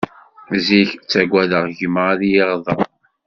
Zik ttaggadeɣ gma ad iyi-iɣdeṛ.